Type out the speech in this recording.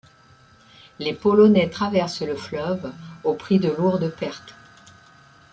Les Polonais traversent le fleuve, au prix de lourdes pertes.